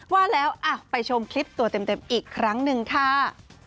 ว่าแล้วไปชมคลิปตัวเต็มอีกครั้งหนึ่งค่ะ